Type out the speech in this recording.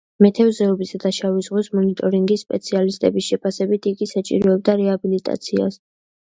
მეთევზეობისა და შავი ზღვის მონიტორინგის სპეციალისტების შეფასებით, იგი საჭიროებდა რეაბილიტაციას.